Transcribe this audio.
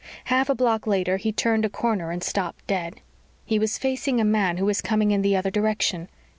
Half a block later he turned a corner and stopped dead. He was facing a man who was coming in the other direction.